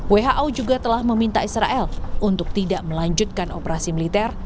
who juga telah meminta israel untuk tidak melanjutkan operasi militer